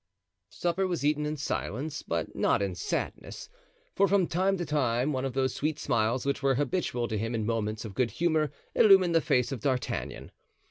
Supper was eaten in silence, but not in sadness; for from time to time one of those sweet smiles which were habitual to him in moments of good humor illumined the face of D'Artagnan.